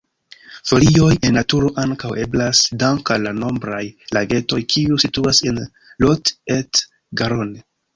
Ferioj en naturo ankaŭ eblas, dank'al la nombraj lagetoj kiuj situas en Lot-et-Garonne.